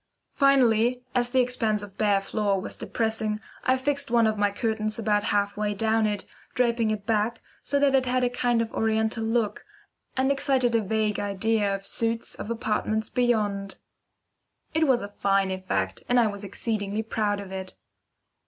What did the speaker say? Finally, as the expanse of bare floor was depressing, I fixed one of my curtains about halfway down it, draping it back, so that it had a kind of oriental look, and excited a vague idea of suites of apartments beyond. It was a fine effect, and I was exceedingly proud of it.